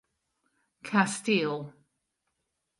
Kasteel.